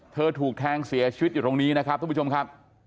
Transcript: ถูกแทงเสียชีวิตอยู่ตรงนี้นะครับทุกผู้ชมครับ